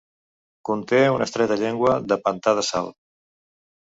Conté una estreta llengua de pantà de sal.